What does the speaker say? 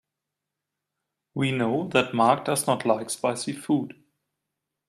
We know that Mark does not like spicy food.